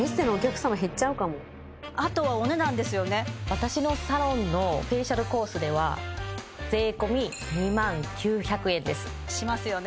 私のサロンのフェイシャルコースでは税込２万９００円ですしますよね